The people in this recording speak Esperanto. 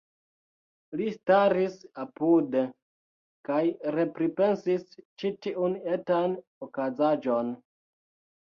Li staris apude, kaj repripensis ĉi tiun etan okazaĵon.